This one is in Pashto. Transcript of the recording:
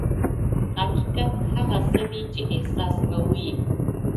حقیقت هغه څه دي چې احساس کوو یې.